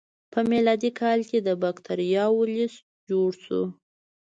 په میلادي کال کې د بکتریاوو لست جوړ شو.